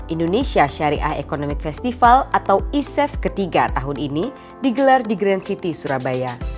indonesia syariah economic festival atau i saf ketiga tahun ini digelar di grand city surabaya